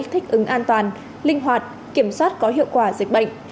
thích ứng an toàn linh hoạt kiểm soát có hiệu quả dịch bệnh